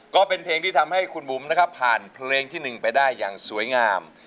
ก็เป็นเพลงที่ทำให้คุณบุ๋มนะครับผ่านเพลงที่๑ไปได้อย่างสวยงาม